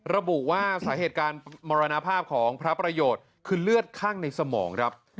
ระบุว่าสาเหตุการณ์มรณภาพของพระประโยชน์คือเลือดข้างในสมองครับ